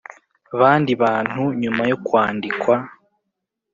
Bandi bantu nyuma yo kwandikwa